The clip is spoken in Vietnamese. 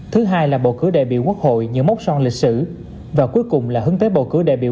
thứ hai là bầu cử đại biểu quốc hội những mốc son lịch sử và cuối cùng là hướng tới bầu cử đại biểu